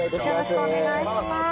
よろしくお願いします。